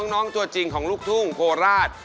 น้องตัวจริงของลูกทุ่งโคราช